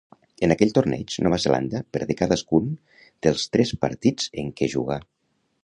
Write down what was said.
En aquell torneig Nova Zelanda perdé cadascun dels tres partits en què jugà.